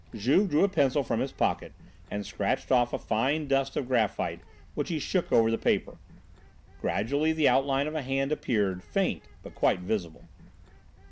Juve drew a pencil from his pocket and scratched off a fine dust of graphite which he shook over the paper. Gradually the outline of a hand appeared, faint, but quite visible.